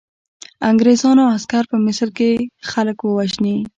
انګریزانو عسکر په مصر کې خلک وژني.